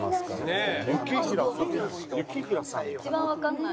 一番わかんない。